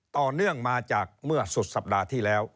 เนื่องมาจากเมื่อสุดสัปดาห์ที่แล้ว